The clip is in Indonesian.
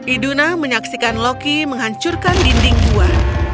iduna menyaksikan loki menghancurkan dinding gua